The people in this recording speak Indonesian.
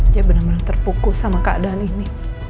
dia bener bener terpukul sama keadaan ini